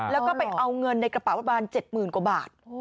แล้วก็ไปเอาเงินในกระเป๋าประมาณ๗๐๐กว่าบาท